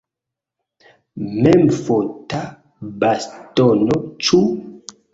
Memfota bastono, ĉu?